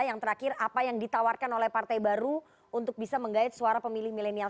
yang terakhir apa yang ditawarkan oleh partai baru untuk bisa menggait suara pemilih milenial